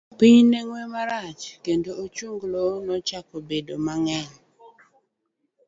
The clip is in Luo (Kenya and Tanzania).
Piny ne ng'we marach, kendo ochunglo nochako bedo mang'eny.